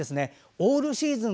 オールシーズン